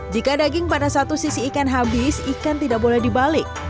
jika daging pada satu sisi ikan habis ikan tidak boleh dibalik